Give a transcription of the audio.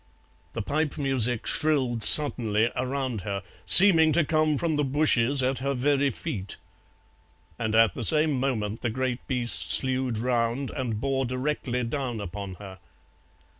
The pipe music shrilled suddenly around her, seeming to come from the bushes at her very feet, and at the same moment the great beast slewed round and bore directly down upon her.